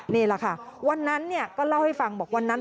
นี่แหละค่ะวันนั้นก็เล่าให้ฟังบอกวันนั้น